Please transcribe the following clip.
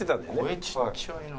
声ちっちゃいな。